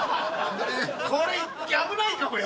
これ危ないかもよ。